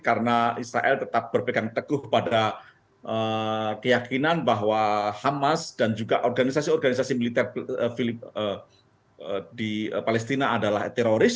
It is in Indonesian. karena israel tetap berpegang teguh pada keyakinan bahwa hamas dan juga organisasi organisasi militer di palestina adalah teroris